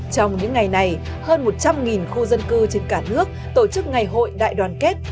trong những ngày này hơn một trăm linh khu dân cư trên cả nước tổ chức ngày hội đại đoàn kết